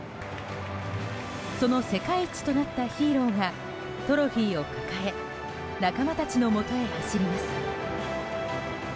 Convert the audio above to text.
その世界一となったヒーローがトロフィーを抱え仲間たちのもとへ走ります。